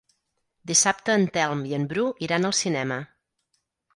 Dissabte en Telm i en Bru iran al cinema.